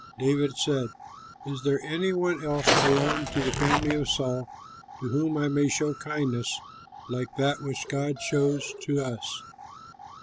David said, "Is there any one else belonging to the family of Saul to whom I may show kindness like that which God shows to us?"